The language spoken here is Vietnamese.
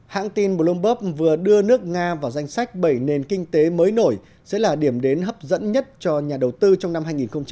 hãng tin bloomberg vừa đưa nước nga vào danh sách bảy nền kinh tế mới nổi sẽ là điểm đến hấp dẫn nhất cho nhà đầu tư trong năm hai nghìn hai mươi